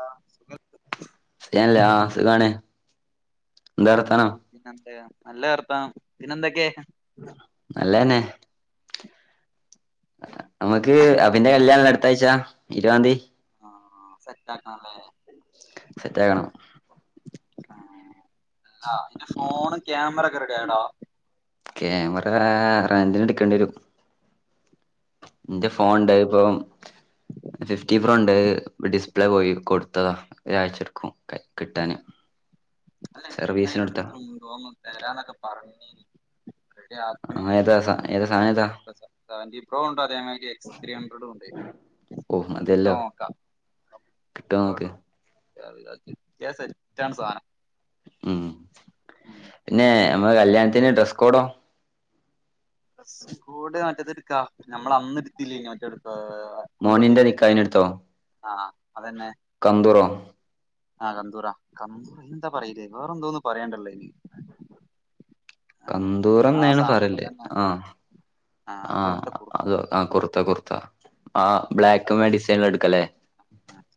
ആ [unintelligible] എന്തേ ആഹ് വർത്താനം പിന്നെന്ത് നല്ല വർത്തം പിന്നെന്തൊക്കെ നല്ലന്നെ നമുക്ക് അഭിന്റെ കല്യാണം അടുത്ത ആഴ്ചാ ഇരുവാന്തി ആ സെറ്റ് ആക്കണല്ലേ സെറ്റാക്കണം ആഹ് അല്ല അന്റെ ഫോണും ക്യാമറ ഒക്കെ റെ കേടാ ക്യാമറ റന്റിന് എടുക്കേണ്ടി വരും എന്റെ അല്ല ഫോൺണ്ട് ഇപ്പൊ ഫിഫ്റ്റി പ്രോ ഉണ്ട് ഡിസ്പ്ലേ പോയി കൊടുത്തതാ ഒരാഴ്ച എടുക്കും കിട്ടാന് അല്ല സർവീസിന് എടുത്താ ചെങ്ങായിന്റടുത്തുണ്ടോന്ന് തരാന്നൊക്കെ പറഞ്ഞിനി റെഡി ആക്കണേ ആഹ് ഏതാ സ- ഏതാ സാധനം ഏതാ സെവന്റി പ്ലസ് സെവന്റി പ്രോ ഉണ്ടോ ഒരുചെങ്ങായി ന്റെ എക് ത്രീ ഹഡ്രഡും ഉണ്ട് അത് കിട്ടോന്നു നോക്കാ കിട്ടൊ നോക്ക് [unintelligible] കിട്ടിയ സെറ്റാണ് സാനം ഉം പിന്നെ നമ്മ കല്യാണത്തിന് ഡ്രെസ് കോഡോ സ്കൂട് മറ്റത്തെ എടുക്കാ നമ്മള അന്നെടുത്തില്ലെ മറ്റേ എടുപ്പ് മോണിന്റെ നികഹിനെടുത്തോ ആഹ് അതന്നെ കന്തുറോ ആഹ കന്തൂറ കന്തൂറ എന്താ പറയില്ലേ വേറെ എന്തോന്നും പറയണ്ടല്ലോ അയിന് കന്തൂറെന്നാണ് പറേല്ല് ആ ആ അത ആ കുർത്ത കുർത്ത ആഹ് ബ്ലാക്ക് മെഡിസിനെടുക്കല്ലേ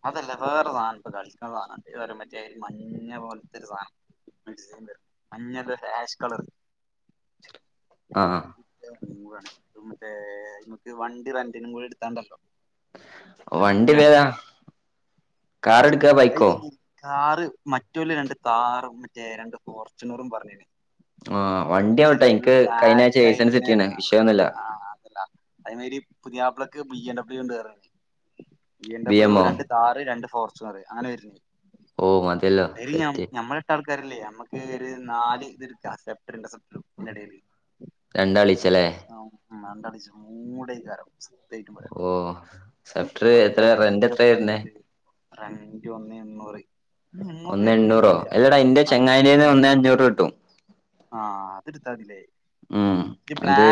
അതല്ല വേറൊരു സാധം ഇപ്പ കളിക്കുന്ന സാധ ഇതുരെ പറ്റിയ മഞ്ഞ പോലത്തെ ഒരു സാനം മഞ്ഞള് ഹാഷ് കളറ് ആഹ അ കൂട മറ്റേ ഇമ്ക്ക് വണ്ടി റെന്റിനും കൂടെ എടുത്താണ്ടല്ലോ വണ്ടി സെറ്റാണ് വേതാ കാർ എടുക്കാ ബൈക്കോ താറ് മറ്റ്വല്ല രണ്ട് താറും മറ്റേ രണ്ട് ഫോർച്ചുണറും പറഞ്ഞിരുന്ന് ആ ഫുൾ ബ്ലാക്ക് ആയിട്ട് പിന്നെ കിട്ടീണ് വിഷയൊന്നുല്ല ആ അതല്ല അത് മാതിരി പുതിയാപ്പിളക്ക് ബിയെൻഡബ്ള്യൂ ഒണ്ട് പറഞ് ബ എം ബി ഡബ്ല്യു എമ്മോ രണ്ട് താറ് രണ്ട് ഫോർച്ചുനർ അങ്ങനെ ആയിരുന്നു ഓ മതില്ലോ സെറ്റ് ല്ലേ നമുക്ക് ഒരു നാല് ഇത് [unintelligible] രണ്ടാളിച്ചല്ലേ മണ്ടടിച്ചു മൂടേക്കാരം ഓ സഫ്റ്റര് എത്ര റെന്റ് എത്രായിരുന്നേ റെന്റ് ഒന്ന് എണ്ണൂറ് എണ്ണൂറ് ഒന്ന് എണ്ണൂറോ വരണില്ല എല്ലെടാ അന്റെ ചെങ്ങായിടേന്ന് അഞ്ഞൂറാണ് ഒന്ന് അഞ്ഞൂറിന് കിട്ടും താവില്ലേ ഉം ബ്ലാ അത്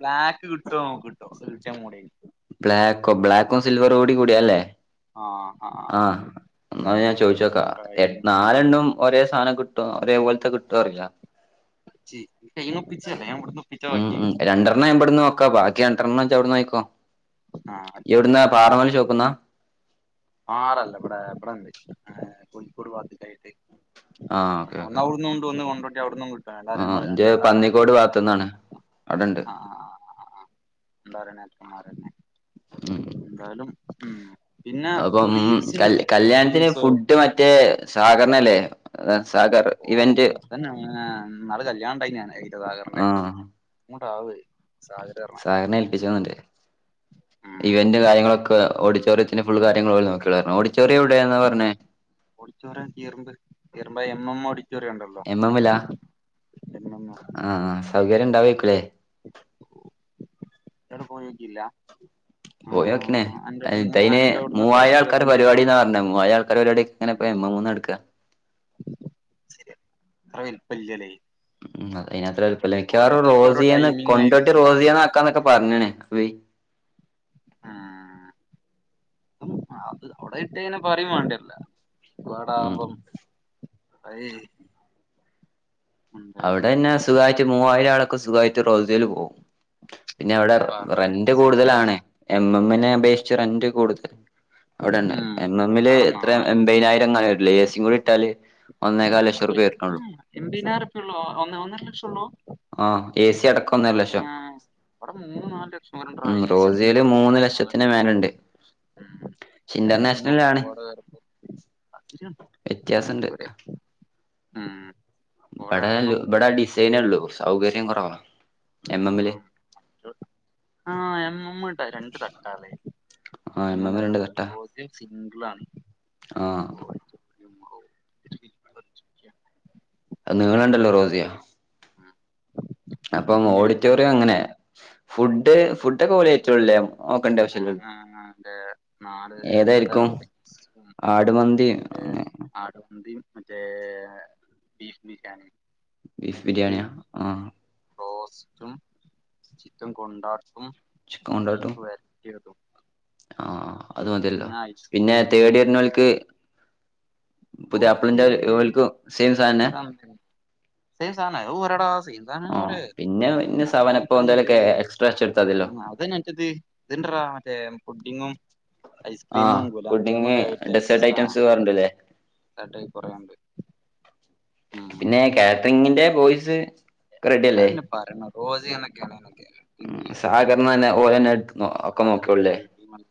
ബ്ലാക്ക് കിട്ടോ കിട്ടോ അത് കിട്ട്യാ മൊടേണ് ബ്ലാക്കോ ബ്ലാക്കോ സിൽവറോ ഓടു. കൂടിയല്ലേ ആഹ് എന്നാ ഞാൻ ചോദിച്ചോക്കാം യെ നാലെണ്ണം ഒരേ സാധനം ട്ടോ അതേ പോലത്തെ കിട്ടോന്ന് അറിയില്ല കൈന് ഒപ്പിച്ചല്ലേ ഞാൻ ഇവിടുന്ന് ഒപ്പിച്ച ബാക്കി [unintelligible] നയിക്കോ ആഹ് എവിടുന്നാ പാറമല ചോക്കുന്ന ആറല്ലേ ഇവടെ [unintelligible] കോഴിക്കോട് [unintelligible] ആഹ് ഓക്കെ ഒന്ന് ഓക്കെ അവിടുന്ന് കൊണ്ട് വന്ന് ഒന്ന് ആഹ് ഇന്റെ അവിടുന്ന് പന്നിക്കോട് ഭാഗത്ത്ന്നാണ് അവിടെണ്ട് ആ ആ [unintelligible] [unintelligible] ഉം എന്തായാലും ഉം പിന്നെ ഉം റീൽസിന്റെ കൽ ഇതൊക്കെ കല്യാണത്തിന് ടീംസോ ഫുഡ് മറ്റേ സാഗർ ന ല്ലേ അത ഔ [unintelligible] നാളെ കല്യാൺ യ്നാണത്. സുധാകർന്റെ പാവ അഅ് സാഗർനെ ഏൽപ്പിച്ചാ നല്ലത്. ഉം ഇവൻ്റ് കാര്യങ്ങളൊക്കെ ഓഡിറ്റോറിയത്തിന്റെ ഫുൾ കാര്യങ്ങള് ഓല് നോക്യോളും പർഞ്. ഓഡിറ്റോറിയം ഔടെന്നാ പറഞ്ഞേ ഓഡിറ്റോറിയം കീയർമ്പ്. കീയർമ്പ് എമ് എമ് ഓഡി എമ്മ എമ്മിലാ എം ആ സൗകര്യം ഉണ്ടാവേ ക്കുലേ ഇയാൾ പോയിട്ടില്ല പോയി നോക്കനേ അ ചൈന്നേ അന്റോട്ന്ന് എത്ര മൂവായിം ആൾക്കാർടെ ഇരുപത്തഞ്ച് കിലോ പരിപാടി പറഞ്ഞെ മൂവായിഴം ആൾക്കാർടെ പരിപാടി ഇങ്ങനെ എപ്പഴാ നമ്മൾ വന്ന്ട്ക ശരിയാ അത്ര വലിപ്പം ഇലല്ലേ ഉ അതിനത്ര അലക്കാറ് റോസ് ഓരോ ചെയന്ന് ടൈമിങ് കൊണ്ടോട്ടി ആയിരിക്കും ഇവിടെ റോസ്യന്ന ആക്കാന്നൊക്കെ പറഞ്ഞണേ പോയി ഉം അത് അവിടെ ഇട്ടന പറയും വേണ്ടല്ല ഉം വാടാവുമ്പം അയ് അവിടന്നെ സുഖായിട്ട് മൂവായിരം ആള് ക്കെ സുഖയിട്ട് റോസൽ പോം പിന്നെ അവിടെ പറയാണ് റെന്റ് സുഖാ കൂടുതലാണ് എം എംമ്മിനെ അപേക്ഷിച്ച് റെന്റ് കൂടുതൽ അവിടെനെ ഉം എം എംമ്മില് അവിടെ എത്ര നാല് ന- എൺമ്പതിനായിരം എങ്ങല്ല എ സി യും കൂടി ഇട്ടാല് ഒന്നേകാല് ലക്ഷം രൂപ വേരാനുള്ളു ഉള്ളോ ഒന്ന് ഒന്നര ലക്ഷം ഉള്ളൂ. ആ ഏ സി അടക്കം ഒന്നര ലക്ഷം ആഹ് ഇവിടെ മൂന്ന് നാല് ലക്ഷം വരെയുണ്ടെടാ ഉം എ സി റോസൽ എടുക്കുമ്പോ ഇവിടെ മൂന്ന് നാല് ലക്ഷത്തിന് മേലുണ്ട് ലക്ഷം ഉം ഇന്റർനാഷണലാണ് കോട കയറുമ്പോ വ്യത്യാസുണ്ട് ഓഡിറ്റോറിയ ഉം കോട ഇബിടെ കയറുമ്പം ഇബിടെ ഡിസൈനേ ള്ളു സൗകര്യം കൊറവാ [unintelligible] ആ എമ്മ മ്മ രണ്ട തട്ടാലേ ആ എം എം ഇങ്ങനെ രണ്ട് തട്ടാ റോസി സിംഗിളണ് ആ നിങ്ങള്ണ്ടല്ലോ റോസിയോ അപ്പം ഓഡിറ്റോറിയം അങ്ങനെയാ ഫുഡ് ഫുഡക്കെ ഒരേ ഐറ്റം അല്ലെ റെ നാല് രണ്ട് ഏതായിരിക്കും തരം ആടുമന്തി ആടുവന്തിയും മറ്റേ ബീഫ് ബിരിയാണി ബീഫ് എനിക്ക് ബിരിയാണിയാണോ? ആഹ് ആഹ്ആ ചിക്കൻ കൊണ്ടാട്ട് ചിക്കൻ കൊണ്ടാട്ട് [unintelligible] ആഹ് അത് മതിയല്ലോ പിന്നെ പിന്നെ ഐസ്ക്രീമും തേർഡ് മറ്റേ ഇയറിനക്ക് പുതിയ ഓൾക്ക് ആപ്പിളിന്റെ [unintelligible] സെയിം സാധനാ സേം സാധനാ ഓഹ് എടാ പിന്നെ പിന്നെ സെവനപ്പോ എന്തേലൊക്കെ എക്സ്ട്രാ അടിച്ചെടുത്താതില്ലോ ആഹ് ഫുഡിങ് ഡെസേർട്ട് ഐറ്റംസ് വേറെണ്ടല്ലേ [unintelligible] പിന്നെ ക്കാ ങ്ങിന്റെ പോയ്സ് പരണം [unintelligible] ഉ സാഗർന്ന്തന്നെ ഓരോന്നെ ഒക്കെ സഹകരണ നോക്കിയല്ലേ ഫുൾ ടീമല്ലേ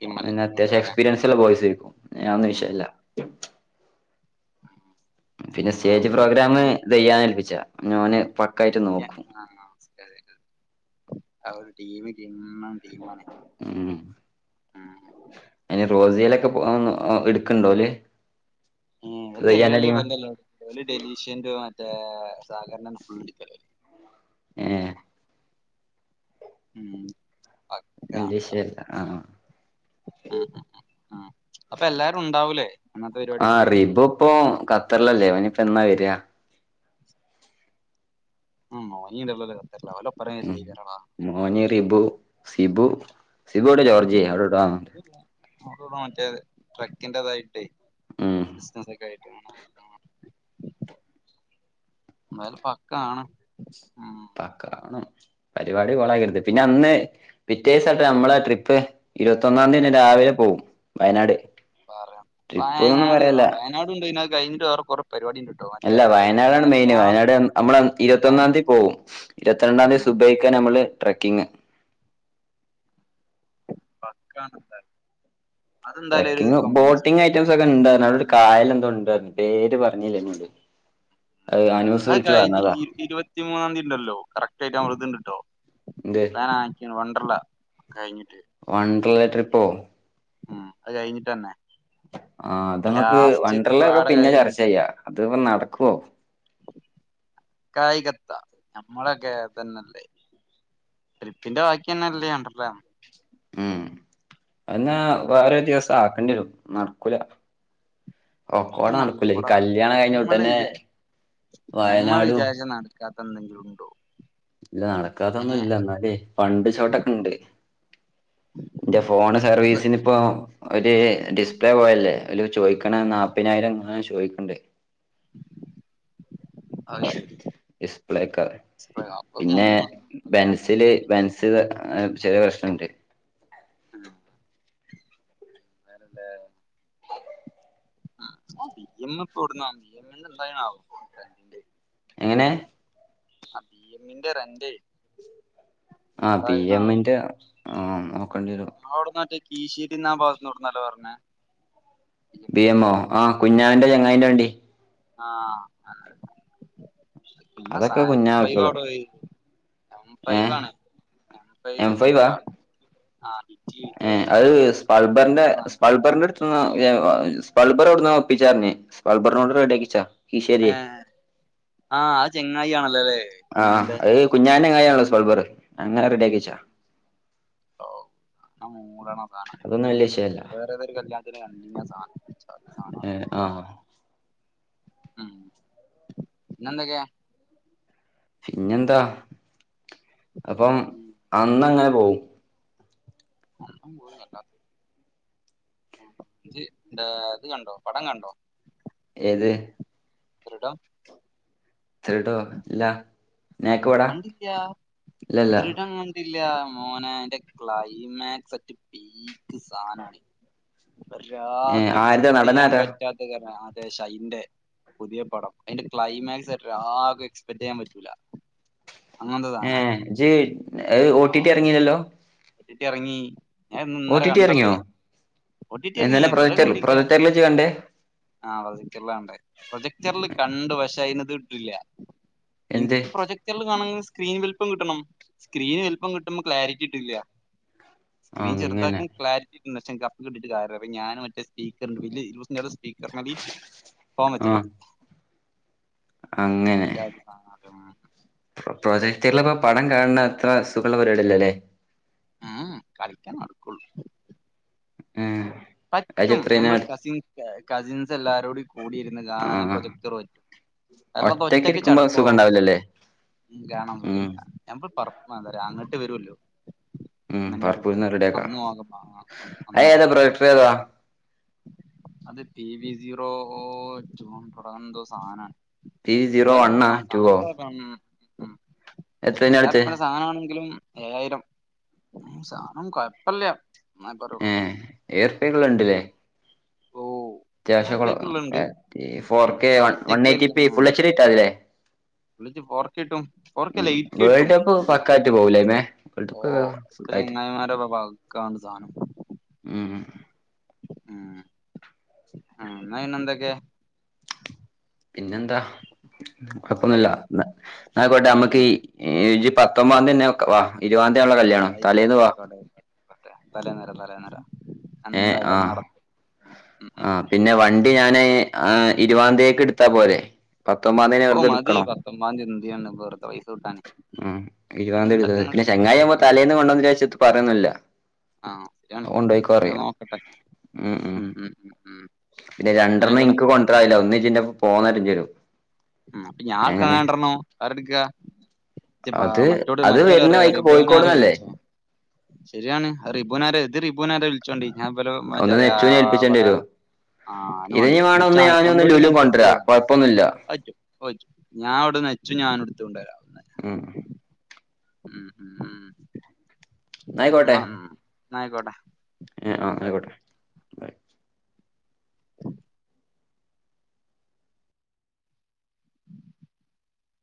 ടീമല്ലേ പിന്നെ എന്താ അത്യാവശ്യം പറയാ എക്സ്പീരിയൻസ്ള്ള പോസ് ആരിക്കും ഒന്നും ഉം വിഷല്ല പിന്നെ അതാ സ്റ്റേജ് പ്രോഗ്രാം നല്ലൊരിതാണ് തെയ്യാന്ന് ഏൽപിച്ചാ ഓന് പക്കായിട്ട് നോക്കും അവരുടെഈവന്റ് ഉം ആഹ് റോസയിലൊക്കെ എടുക്ക ണ്ടോല്ലേ ഉം [unintelligible] ല് വല്യ വല്യ ഇവൻ്റല്ലെള്ളൂ. [unintelligible] ഡലീഷൻ്റെ മറ്റേ സാഗർനന്നെ ഫുള്ളട്ക്കല് ഏഹ് ഉംഹ് എൻ്റേഷല്ല ആ ആഹ്ആ ഉം ഉം ഉം ഉം അപ്പൊ എല്ലാരും ഉണ്ടാവൂലേ അന്നത്തെ ആഹ് പരിപാടിക്ക് റിബു ഇപ്പൊ ഖത്തറിലല്ലേ അവനിപ്പ എന്നാ വരാ. ഉംഹ് ഒറങീലെ ഉം മോനി റിബു സിബു സിബു എവിടെ ജോർജിയെ അവിടെ എവിടാന്നുണ്ട് [unintelligible] മറ്റേത് ട്രക്കിന്റെതായിട്ടേ ഉം ബിസിനസ്സൊക്കെയായിട്ട് മ്മ്ഹ് മ്മ്ഹ് എന്തായാലും പക്കാണ് ഉം പക്ക ആവണം. പരിപാടി ഉം കോളക്കരുത്. പിന്നെ അന്ന് പിറ്റേസാട്ട് നമ്മളെ ട്രിപ്പ് ഇരുപത്തൊന്നാം തീയതി തന്നെ രാവിലെ പോവും വയനാട് പറയാം ട്രിപ്പ് എന്നൊന്നും വയനാട് പറയല്ല വയനാടുണ്ട് ഇത് കഴിഞ്ഞിട്ട് വേറെ കുറെ പരിപാടി ഉണ്ട് കേട്ടോ മറ്റേ അല്ല വയനാടാണ് നേരെ മെയിന്. വയനാട് ലാസ്റ്റ് അന്ന്നമ്മള് അന്ന് ഞാന് ഇരുപത്തൊന്നാം തീയതി പോവും. ഇരുപത്തിരണ്ടാം തീയതി ഉം സുബൈക്കാനെ നമ്മള് ട്രക്കിങ് പക്കാനന്തൻ ട്രക്കിങ് ബോട്ടിംഗ് ഐറ്റംസ് പോണം ഒക്കെ ഇണ്ടായിരുന്നു. [unintelligible] കായല് എന്തോ ഉണ്ടായിരുന്നു. പേര് പറഞ്ഞില്ല എന്നോട് അത് അനൂസ് അത് വിളിച്ചു കഴിഞ്ഞ് പറഞ്ഞതാ ഈ ഇരുപത്തിമൂന്നാം തീയതി ഉണ്ടല്ലോ കറക്റ്റ് ആയിട്ട് ഇതിണ്ടട്ടോ എന്ത് [unintelligible] കഴിഞ്ഞിട്ട് വണ്ട്രല്ല ട്രിപ്പോ ഉം അത് കഴിഞ്ഞിട്ട് തന്നെ ആ അത് നമുക്ക് ലാസ്റ്റ് വണ്ട്രല്ല ഒക്കെ ക്വാട പിന്നെ ചർച്ച കഴിഞ്ഞിട്ട് ചെയ്യാം അത് നട കോ കായികത്ത നമ്മളൊക്കെ തന്നല്ലേ ട്രിപ്പിന്റെ ബാക്കി തന്നെല്ലേ വണ്ട്രല്ല ഉം അന്നാ വേറെ ദിവസം ആക്കണ്ടി വരും നടക്കൂല അതൊക്കെ ഒക്കോടെ നടക്കൂല ഈ നടക്കൂടാ കല്യാണം കഴിഞ്ഞ നമ്മള് ഉടനെ വിചാ ഞമ്മള് വയനാടും. വിചാരിച്ച നടക്കാത്ത എന്തെങ്കിലും ഉണ്ടോ ഇല്ല ഏ നടക്കാതൊന്നുംല്ല. എന്നാലേ ഫണ്ട് ഷോട്ടൊക്കെ ഇണ്ട് എന്റെ ഫോണ് അത് സർവീസിന് ഇപ്പോ ഒരു ഡിസ്പ്ലേ പോയല്ലേ അതിലൊരു ചോദിക്കണ നാപ്പതിനായിരം [unintelligible] ചോയിക്കണ്ടേ അത് ശരി ഡിസ്പ്ലേക്ക അപ്പൊ പിന്നെ ഞങ്ങക്ക് പണ്ടൊന്നും വല്ലാണ്ട് ബെൻസില് പണിയില്ല. ബെൻസ്ത് ചെറിയ പ്രശ്നുണ്ട് ആ [unintelligible] [unintelligible] എങ്ങനെ ആ ബി എമ്മിന്റെ റെന്റെയ് ആ പി എമ്മിന്റെ ആ കൊണ്ടിരും കീശ്ശേരിന്നാ ഭാഗത്ത്ന്നവ്ട്ന്നോന്നല്ലോ പറഞ്ഞേ ബി എമ്മോ ആഹ് കുഞ്ഞാന്റെ ചങ്ങായ്ന്റെ വണ്ടി ആഹ് ക്ക അതൊക്കെ സനം കുഞ്ഞാക്കിയോളും [unintelligible] എം ഏ ഫൈവ് ആണ് എം ഫൈവ് വക്ക ഏ അത് സ്പൾബറിന്റെ ഏഹ് സ്പൾബറി സ്പൾബറെവ്ട്ന്നോ ഒപ്പിച്ചാർഞ്ഞു സ്പൾബറിനോട് റെഡിയാക്കിച്ചാ കീശേരിയെ ആഹ് ആഹ് ആ ചെ ങ്ങായി ആണല്ലോലെ ആഹ് അത് കുഞ്ഞാനെ [unintelligible] സ്പൾബറ് അങ്ങനെ റെഡിയാക്കിച്ചാ ഓ ആ അതൊന്നും [unintelligible] വലിയ വിഷയമല്ല വേറെ ഏതൊരു കല്യാണത്തിന് സാനം ഏ, ആ [unintelligible] ഉം പിന്നെന്തക്കെ? പിന്നെന്താ അപ്പം ഉം. അന്നങ്ങ പോം [unintelligible] ജ്ജ് ദാ ത് കണ്ടോ പടം കണ്ടോ ഏത് ദൃടം ദൃടൊ ഇല്ല നേക്കുവട കണ്ടില്ല്യാ ഇല്ലല്ല ദൃഡം വന്ത് ല്ലാ മോനേ അയ്ന്റെ ക്ലൈമാക്സ്റ്റ് അറ്റ് പീക്ക് സാനാണ്. ഏ ഒരാക്കും ആരുടെ എക്സ്പെക്ട് ചെയ്യാൻ നടനാരാ പറ്റാത്തത് [unintelligible] ദേ ഷൈന്റെ പുതിയ പടം. അയിന്റെ ക്ലൈമാക്സ് ഒരാക്കും എക്സ്പെക്ട് ചെയ്യാൻ പറ്റൂല. അങ്ങനത്തെ സാനം ഏഹ് ജ് അഅ് ഓ ടി ആഹ് ടി എറങ്ങീലല്ലോ? ഒ ടി ടി എറങ്ങീ ഞാൻ ഇ ഇന്നലെ ഇറങ്ങിയോ കണ്ടല്ലേ. ഒ ടി ടി എറങ്ങി. ഇന്നലെ ദൃഢം പ്രൊജക്ടർ കണ്ടില്യാ. പ്രൊജക്ടറിൽ ഇജ്ജ് കണ്ടേ ആ പ്രൊജക്ടർലാ കണ്ടത്. പ്രൊജക്ടറിൽ കണ്ടു. പക്ഷെ, അയിനത് തുല്ല്യാ. എന്ത് ഇൻക്ക് പ്രൊജക്ടർല് കാണങ്ങെ സ്ക്രീൻ [unintelligible] പ്പം കിട്ടണം സ്ക്രീന് വൽപ്പം കിട്ടുമ്പോ ക്ലാരിറ്റി കിട്ടില്ല്യാ സ്ക്രീൻ അങ്ങനെ ചെറുതാക്കും ക്ലാരിറ്റി ഇന്നച്ചൻ കപ്പ് കിട്ടിട്ട് കാരല. അപ്പ ഞാന് മറ്റേ സീക്കർ [unintelligible] പീക്കർ മതി ഫോൺ വെച്ചട് ആഹ് അങ്ങനെ അജാതി സാനാ [unintelligible] പ്രോജക്ടർല്ല് ഇപ്പം പടം കാണാണ് അത്ര സുഖള്ള പരിപാടിയല്ലല്ലേ ഉം കളിക്കാൻ നടക്കള്ളൂ മ് പറ്റും നമ്മൾ കസിൻകേ കസിൻസെല്ലാരൂടി കൂടിരുന്ന് ഗാണണം ആഹ് പ്രൊജക്ടർ പറ്റും അല്ലാ ഇപ്പം ഒറ്റക്ക് ഇരിക്കുമ്പോ സുഖം ചടപ്പടോ ഉണ്ടാവില്ലല്ലേ ഗാണാൻ ഉം സുഖല്ലാ [unintelligible] [unintelligible] അങ്ങട്ട് വരുവല്ലോ ഉം പർപ്പൂന്ന് റെഡിയ ആക്കാ നോക്കാം അന്ന് അയ്ഏതാ നോക്കാം പ്രൊജക്ടർ ഏതാ അത് പി വി സീറോ തുടങ്ങന്തോ സാധനമാണ് പി സീറോ വൻണ്ണാ ടുവോ എത്രേനാ എടുത്തെ അയ്യായിരംറുപ്പിന്റെ സാധനമാണെങ്കിലും ഏഴായിരം സാദനം കൊഴപ്പില്ല ഏ ഏയ് റുപ്പികൾഉണ്ടല്ലേ ഓ അയ്യായിരം അത്യാവശ്യം റുപ്യക്കുള്ളണ്ട് ഫോർ ഉം കെ പക്ഷെ one one eighty full H D ഇട്ടാ മതില്ലേ വിളിച്ചു ഫേർ ട്ടും റക്കല്ല ഉം വേൾഡ് ഇരിക്കട്ടും കപ്പ് പക്കായിട്ട് ഇരിക്കട്ടും പോകൂലേമേ വേൾഡ് ഓ കപ്പ് ഇപ്പൊ സുഖായിട്ട് ചെങ്ങായിമാര വക്കാണ് സാധനം ഉം ആ ഇന്നാ പിന്നെ എന്തൊക്കെ പിന്നെന്താ കുഴപ്പൊന്നില്ല ടൈം എന്നയ്ക്കേട്ടെ നമ്മുക്ക് ഉം ഈ് ഇജ് പത്തൊൻബാന്തി തന്നെ വാ ഇരുവാന്തി ആയിക്കോട്ടെ ആയിക്കോട്ടെ ആയിക്കോട്ടക്കട്ടെ തലേന്ന് വരാം തലേന്ന് വരാം ഏഹ് ആഹ് ഉം ഉം ഉം ആ പിന്നെ വ ണ്ടി ഞാന് ആ ഇരുവതാന്തിയ്ക്ക് എടുത്താ പോരെ പത്തൊമ്പതാം തീയതി ഞാൻ ഓ വെറുതെ മതി എടുക്കണോ? പത്തൊമ്പാം തീയതി എന്തിനാണ് വെറുതെ പൈസ കിട്ടാന് ഉം ഇരുപതാം തീയതി ഫണ്ടൊക്കെ എടുക്കുന്നൊ ഇങ്ങള് പിന്നെ സെറ്റാക്കി ചങ്ങായിയാവുമ്പോ തരണ്ടേ തലേന്ന് കൊണ്ടോന്ന് ശെച്ചട്ട് ഒന്നും പറയോന്നില്ല ആഹ് ശരിയാണ് കൊണ്ടോയിക്കോ ഞാൻ പറയും. നോക്കട്ടെ ഉം ഉം പിന്നെ രണ്ടെണ്ണം ആയിക്കോട്ടെ എനിക്ക് കൊണ്ടരാനില്ല [unintelligible] ഉം അപ്പ ഞാൻ [unintelligible] ഇജ്ജ് ബാ അത് മറ്റോട് അത് മറ്റോര് വരുന്ന റെ വഴിക്ക് റെബുനാരെ കോഴിക്കോട്ന്നല്ലേ വിളിച്ചോ ശരിയാണ് അത് റെബുനാര് ഇത് റി ബൂനാരെ വിളിച്ചോണ്ടി ഞാൻ നിപ്പെരു മ ഒന്ന് ചെറിയാ നെച്ചുനെ ഏൽപ്പിച്ചേണ്ടി ഇവടെ വരും ആ അവനു ഇത് ഇനി വേണം വേണ്ടി ഒന്ന് ചാ ഞാനും ഒന്ന് കൊണ്ടോട്ടീന്ന് ലുലും കൊണ്ടുവരാ കൊഴപ്പൊന്നുല്ല [unintelligible] പറ്റും [unintelligible] ഞാൻ അവിടെ നെച്ചു ഞാനും എടുത്ത് കൊണ്ട് വരാം ഒന്ന്. ഉം ഉം ഉം എന്നായ്ക്കോട്ടെ. എനയിക്കോട്ട ഏ ആ ആയിക്കോട്ടെ ബൈ [unintelligible]